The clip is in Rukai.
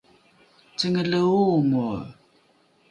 cengele oomoe